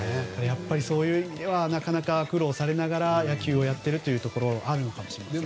そういう意味では苦労されながら野球をやっているところもあるのかもしれませんね。